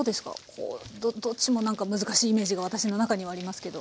こうどっちも何か難しいイメージが私の中にはありますけど。